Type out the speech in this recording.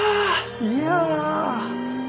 いや！